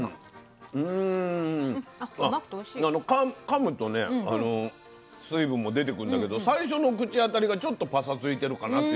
かむとね水分も出てくんだけど最初の口当たりがちょっとパサついてるかなって感じが。